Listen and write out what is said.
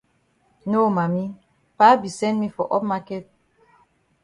No Mami, Pa be send me for up maket.